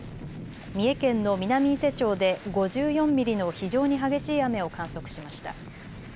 三重県の南伊勢町で５４ミリの非常に激しい雨を観測しました。